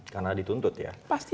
karena dituntut ya pasti